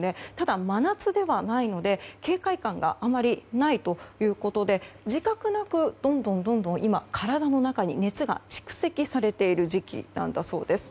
ただ、真夏ではないので警戒感があまりないということで自覚なくどんどん今、体の中に熱が蓄積されている時期なんだそうです。